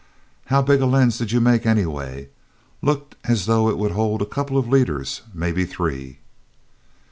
How big a lens did you make, anyway? Looked as though it would hold a couple of liters; maybe three."